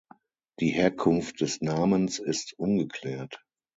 Die Herkunft des Namens ist ungeklärt.